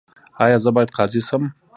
ایا زه باید قاضي شم؟